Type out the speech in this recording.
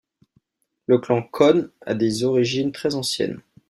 Le clan Khön a des origines très anciennes.